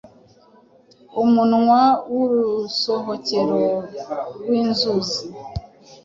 umunwa w’”urusohokero” rw’inzuz